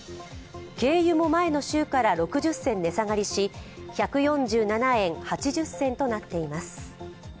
軽油も前の週から６０銭値下がりし１４７円８０銭となっています。